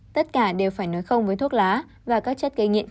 tất cả đều phải nói không với thuốc lá và các chất gây nghiện